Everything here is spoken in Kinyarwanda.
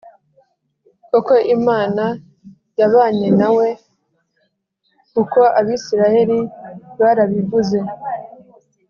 koko Imana yabanye na we kuko Abisirayeli barabivuze